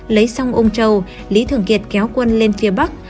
lấy xong úng châu lý thưởng kiệt kéo quân lên phía bắc